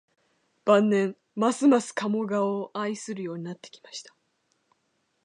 晩年、ますます加茂川を愛するようになってきました